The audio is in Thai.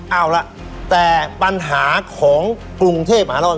เอาละแต่ปัญหาของกรุงเทพฯหมาล่อน